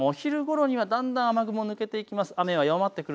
お昼ごろにはだんだん雨雲、抜けていきます。